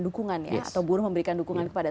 dukungan ya atau buruh memberikan dukungan kepada